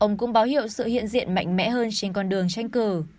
ông cũng báo hiệu sự hiện diện mạnh mẽ hơn trên con đường tranh cử